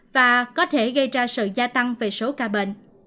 và có thể gây ra sự gia tăng về số cao